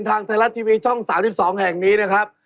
ทางไทยรัฐทีวีช่อง๓๒แห่งนี้นะครับ